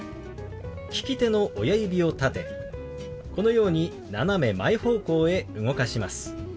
利き手の親指を立てこのように斜め前方向へ動かします。